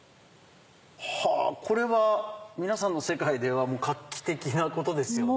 はぁこれは皆さんの世界ではもう画期的なことですよね？